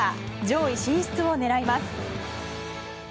上位進出を狙います。